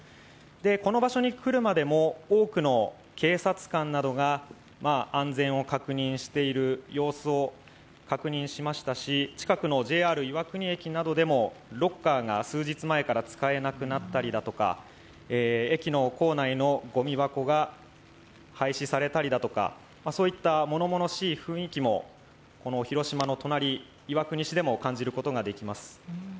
この場所に来るまでも多くの警察官などが安全を確認している様子を確認しましたし、近くのＪＲ岩国駅などでもロッカーが数日前から使えなくなったりだとか、駅の構内のごみ箱が廃止されたりだとか、そういったものものしい雰囲気も、この広島の隣、岩国市でも感じることができます。